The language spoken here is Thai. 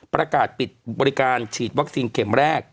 ประกาศปิดบริการฉีดวัคซีนเข็มแรก